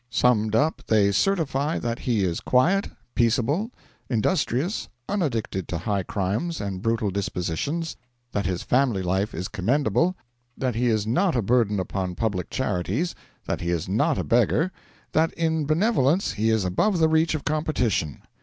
Summed up, they certify that he is quiet, peaceable, industrious, unaddicted to high crimes and brutal dispositions; that his family life is commendable; that he is not a burden upon public charities; that he is not a beggar; that in benevolence he is above the reach of competition.